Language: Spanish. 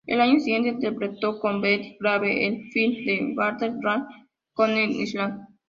El año siguiente interpretó con Betty Grable el film de Walter Lang "Coney Island".